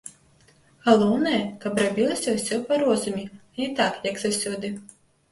Галоўнае, каб рабілася ўсё па розуме, а не так, як заўсёды.